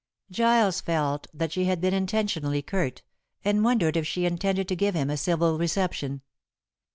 Giles felt that she had been intentionally curt, and wondered if she intended to give him a civil reception.